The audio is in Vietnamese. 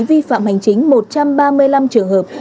vi phạm hành chính một trăm ba mươi năm trường hợp